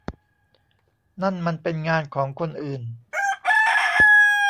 นั่นมันเป็นงานของคนอื่น